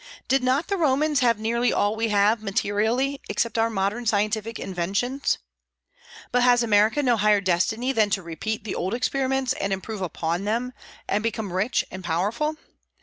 Did not the Romans have nearly all we have, materially, except our modern scientific inventions? But has America no higher destiny than to repeat the old experiments, and improve upon them, and become rich and powerful?